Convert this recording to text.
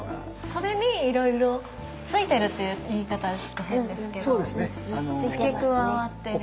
それにいろいろついてるっていう言い方はちょっと変ですけど付け加わってる。